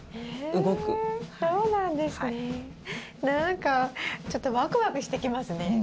何かちょっとワクワクしてきますね。